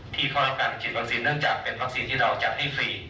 ที่เขาต้องการฉีดวัคซีนเนื่องจากเป็นวัคซีนที่เราจัดให้ฟรี